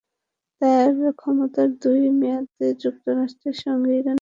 তাঁর ক্ষমতার দুই মেয়াদে যুক্তরাষ্ট্রের সঙ্গে ইরানের সম্পর্ক তিক্ত হয়ে ওঠে।